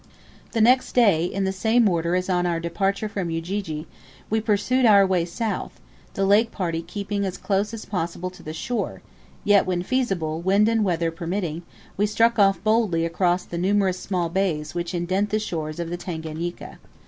The next day, in the same order as on our departure from Ujiji, we pursued our way south, the lake party keeping as closely as possible to the shore, yet, when feasible, wind and weather permitting, we struck off boldly across the numerous small bays which indent the shores of the Tanganika.